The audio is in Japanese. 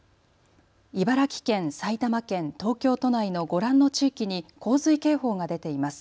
茨城県、埼玉県、東京都内のご覧の地域に洪水警報が出ています。